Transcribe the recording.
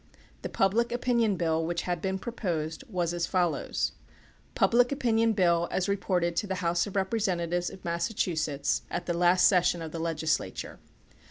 The PubUc Opinion Bill which had been proposed was as fol lows: Public Opinion Bill as Reported to the House of Representa tives OF Massachusetts at the Last Session of the Legislature.